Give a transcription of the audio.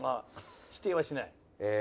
否定はしない。